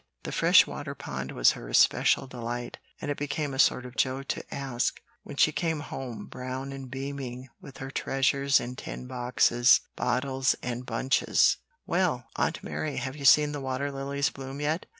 The fresh water pond was her especial delight, and it became a sort of joke to ask, when she came home brown and beaming with her treasures in tin boxes, bottles, and bunches, "Well, Aunt Mary, have you seen the water lilies bloom yet?"